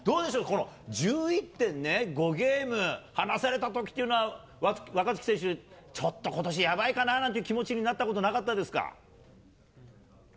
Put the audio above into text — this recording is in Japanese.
この１１．５ゲーム離されたときというのは、若月選手、ちょっとことし、やばいかなって気持ちになったことなかったですか？